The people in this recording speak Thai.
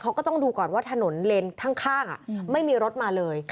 เขาก็ต้องดูก่อนว่าถนนเลนข้างไม่มีรถมาเลย